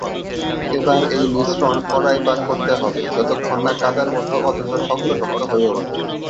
এবার এই মিশ্রণ কড়ায় পাক করতে হবে যতক্ষণ না কাদার মত অথচ শক্ত শক্ত হয়ে উঠবে।